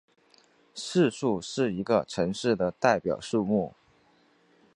市树是一个城市的代表树木。